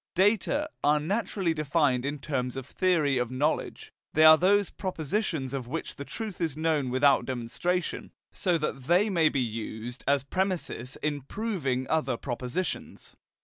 "Data" are naturally defined in terms of theory of knowledge: they are those propositions of which the truth is known without demonstration, so that they may be used as premisses in proving other propositions.